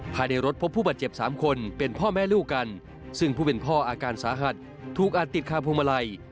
ภายในรถพบผู้บาดเจ็บ๓คนเป็นพ่อแม่ลูกกันซึ่งผู้เป็นพ่ออาการสาหัสถูกอาจติดคาพวงมาลัย